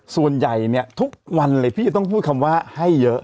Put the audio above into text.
ส่วนใหญ่เนี่ยทุกวันเลยพี่จะต้องพูดคำว่าให้เยอะ